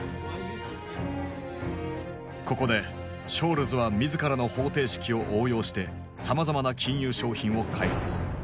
ここでショールズは自らの方程式を応用してさまざまな金融商品を開発。